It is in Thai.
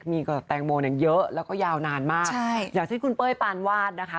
มีกับแตงโมเนี่ยเยอะแล้วก็ยาวนานมากใช่อย่างที่คุณเป้ยปานวาดนะคะ